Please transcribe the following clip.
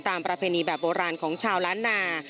ประเพณีแบบโบราณของชาวล้านนา